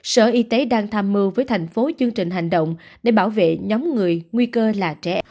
sở y tế đang tham mưu với thành phố chương trình hành động để bảo vệ nhóm người nguy cơ là trẻ em